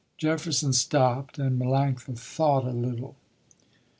Jefferson stopped and Melanctha thought a little.